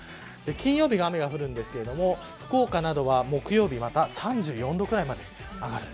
金曜日は雨が降るんですが福岡などは、木曜日また３４度ぐらいまで上がる。